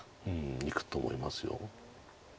いくと思います。